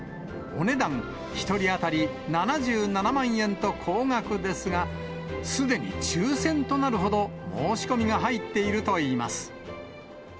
お値段１人当たり７７万円と高額ですが、すでに抽せんとなるほど申し込みが入っているといいます。